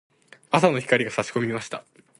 朝の光が差し込みました。